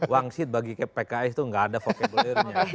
wangsit bagi pks itu tidak ada vocabularinya